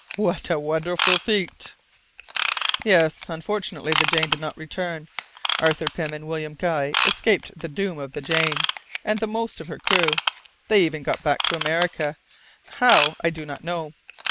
"What a wonderful feat!" "Yes. Unfortunately, the Jane did not return. Arthur Pym and William Guy escaped the doom of the Jane and the most of her crew. They even got back to America, how I do not know.